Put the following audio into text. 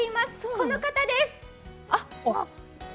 この方です！